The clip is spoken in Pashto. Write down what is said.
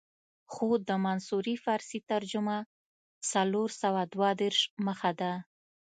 خو د منصوري فارسي ترجمه څلور سوه دوه دېرش مخه ده.